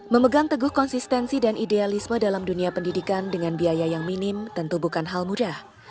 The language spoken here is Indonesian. memegang teguh konsistensi dan idealisme dalam dunia pendidikan dengan biaya yang minim tentu bukan hal mudah